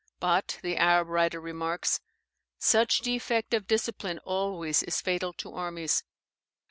But (the Arab writer remarks) such defect of discipline always is fatal to armies.